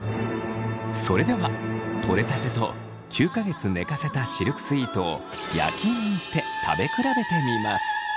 それではとれたてと９か月寝かせたシルクスイートを焼き芋にして食べ比べてみます。